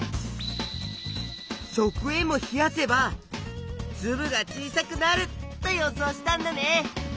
食塩も冷やせばつぶが小さくなると予想したんだね。